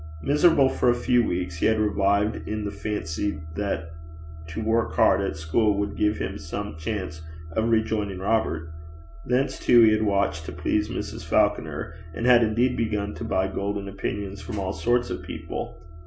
Miserable for a few weeks, he had revived in the fancy that to work hard at school would give him some chance of rejoining Robert. Thence, too, he had watched to please Mrs. Falconer, and had indeed begun to buy golden opinions from all sorts of people.